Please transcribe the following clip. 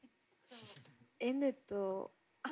「Ｎ」と。